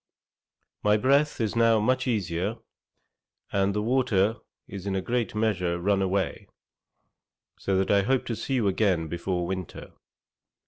'My breath is now much easier, and the water is in a great measure run away, so that I hope to see you again before winter.